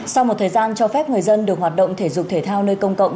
sau một thời gian cho phép người dân được hoạt động thể dục thể thao nơi công cộng